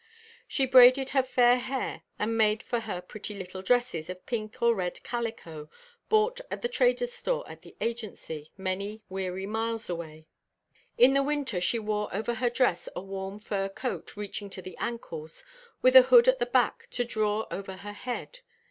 She braided her fair hair, and made for her pretty little dresses of pink or red calico, bought at the trader's store at the agency, many weary miles away. In the winter, she wore over her dress a warm fur coat reaching to the ankles, with a hood at the back to draw over her head.